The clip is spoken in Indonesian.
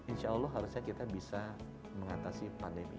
insya allah harusnya kita bisa mengatasi pandemi